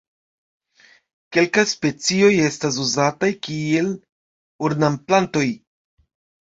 Kelkaj specioj estas uzataj kiel ornamplantoj.